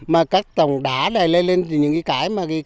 mà các tổng đá này lên những cái